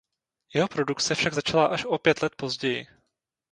Jeho produkce však začala až o pět let později.